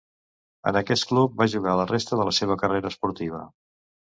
En aquest club va jugar la resta de la seva carrera esportiva.